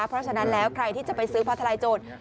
เพราะฉะนั้นแล้วใครที่จะไปซื้อผ้าทลายโจร